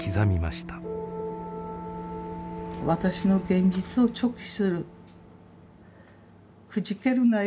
「私の現実を直視するくじけるなよ